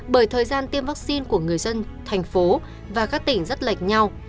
bởi thời gian tiêm vaccine của người dân thành phố và các tỉnh rất lệch nhau